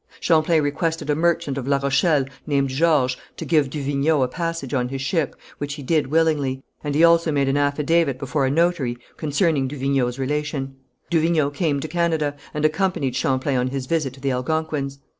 Champlain requested a merchant of La Rochelle, named Georges, to give du Vignau a passage on his ship, which he did willingly, and he also made an affidavit before a notary concerning du Vignau's Relation. Du Vignau came to Canada, and accompanied Champlain on his visit to the Algonquins.